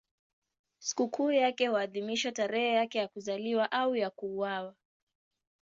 Sikukuu yake huadhimishwa tarehe yake ya kuzaliwa au ya kuuawa.